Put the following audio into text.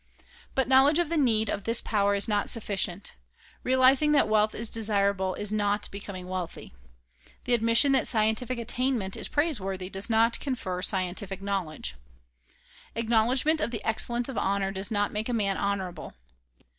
But knowledge of the need of this power is not sufficient. Realiz ing that wealth is desirable is not becoming wealthy. The admission that scientific attainment is praiseworthy does not confer scientific knowledge. Acknowledgment of the excellence of honor does not make a man honorable.